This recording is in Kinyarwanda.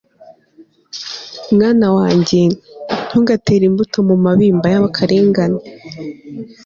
mwana wanjye, ntugatere imbuto mu mabimba y'akarengane